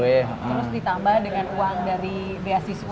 terus ditambah dengan uang dari beasiswa